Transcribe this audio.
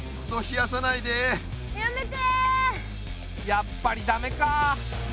やっぱり駄目か。